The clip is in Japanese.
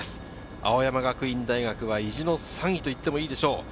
青山学院大学は意地の３位といってもいいでしょう。